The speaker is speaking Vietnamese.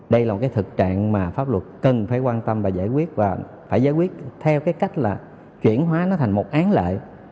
đây là một cái thực trạng mà pháp luật cần phải quan tâm và giải quyết và phải giải quyết theo cái cách là chuyển hóa nó thành một án lợi